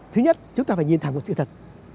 thứ nhất chúng ta phải nhìn thẳng vào sự thật